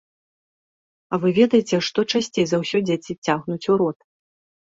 А вы ведаеце, што часцей за ўсё дзеці цягнуць у рот?